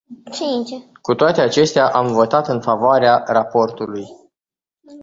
Cu toate acestea, am votat în favoarea raportului.